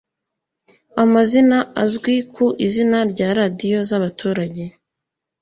amazina azwi ku izina rya radio z'abaturage